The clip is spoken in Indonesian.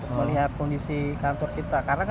melihat kondisi kantor kita